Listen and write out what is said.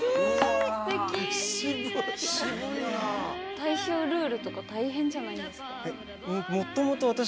大正ルールとか大変じゃないんですか？